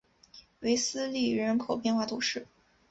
韦斯利人口变化图示